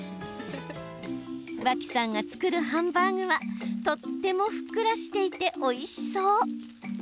脇さんが作るハンバーグはとってもふっくらしていておいしそう。